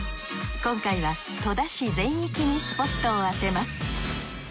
今回は戸田市全域にスポットを当てます。